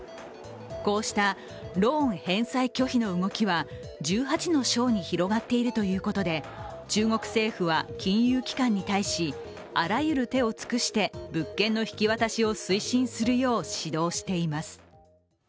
こうしたローン返済拒否の動きは１８の省に広がっているということで中国政府は、金融機関に対しあらゆる手を尽くして物件の引き渡しを推進するよう指導しています。